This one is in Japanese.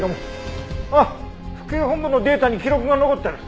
あっ府警本部のデータに記録が残ってる！